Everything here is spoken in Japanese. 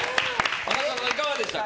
花澤さんはいかがでしたか？